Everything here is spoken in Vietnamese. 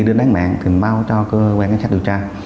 đến đánh mạng thì mình báo cho cơ quan ánh sát điều tra